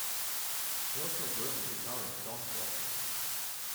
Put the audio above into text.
He also worked with guitarist Doc Watson.